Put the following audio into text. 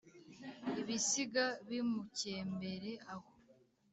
ibisiga bimukembere aho!”